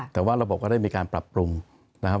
แต่ว่าระบบก็ได้มีการปรับปรุงนะครับ